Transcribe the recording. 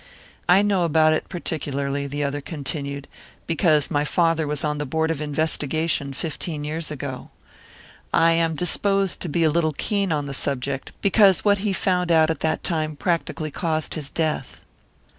"I know about it particularly," the other continued, "because my father was on the board of investigation fifteen years ago. I am disposed to be a little keen on the subject, because what he found out at that time practically caused his death."